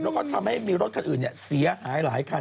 แล้วก็ทำให้มีรถคันอื่นเสียหายหลายคัน